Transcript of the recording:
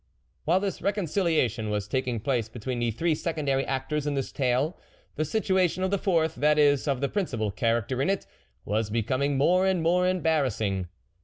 While this reconciliation was taking place between the three secondary actors in this tale, the situation of the fourth, that is of the principal character in it, wasi becoming more and more embarras sing.